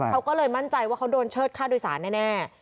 เขาก็เลยมั่นใจว่าเขาโดนเชิดค่าโดยสารแน่